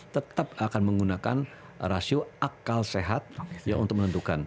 tetap akan menggunakan rasio akal sehat untuk menentukan